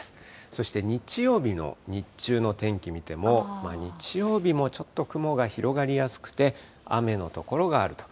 そして日曜日の日中の天気見ても、日曜日もちょっと雲が広がりやすくて、雨の所があると。